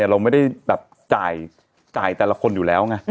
เราไม่ได้แบบจ่ายแต่ละคนอยู่แล้วไง